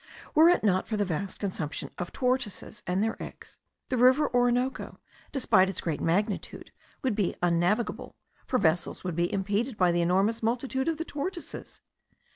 Were it not for the vast consumption of tortoises and their eggs, the river Orinoco, despite its great magnitude, would be unnavigable, for vessels would be impeded by the enormous multitude of the tortoises."